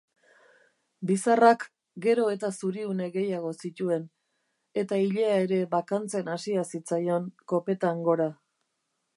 Bizarrak gero eta zuriune gehiago zituen, eta ilea ere bakantzen hasia zitzaion kopetan gora.